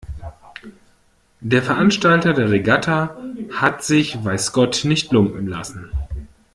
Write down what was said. Der Veranstalter der Regatta hat sich weiß Gott nicht lumpen lassen.